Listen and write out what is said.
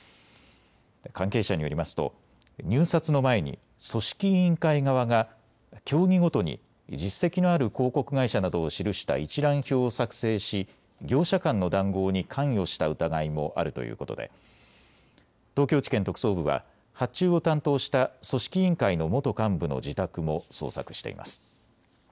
関係者によりますと入札の前に組織委員会側が競技ごとに実績のある広告会社などを記した一覧表を作成し業者間の談合に関与した疑いもあるということで東京地検特捜部は発注を担当した組織委員会の元幹部の自宅も捜索しています。